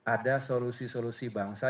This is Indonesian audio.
ada solusi solusi bangsa